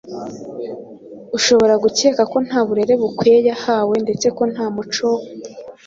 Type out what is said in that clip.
ushobora gukeka ko nta burere bukwie yahawe ndetse ko nta muco wo